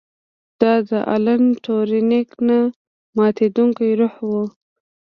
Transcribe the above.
دا د الن ټورینګ نه ماتیدونکی روح و